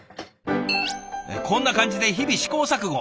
こんな感じで日々試行錯誤。